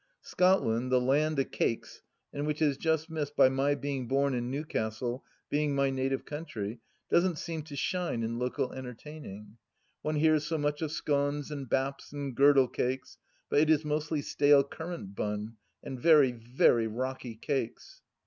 Scotland, the land o' cakes, and which has just missed, by my being born at Newcastle, being my native country, doesn't seem to shine in local entertaining. One hears so much of scones and baps and girdle cakes, but it is mostly stale currant bun, and very, very rocky cakes.